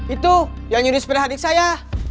itu yang nyuruh sepeda adik saya